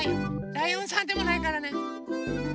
ライオンさんでもないからね。